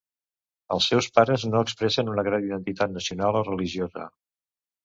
Els seus pares no expressen una gran identitat nacional o religiosa.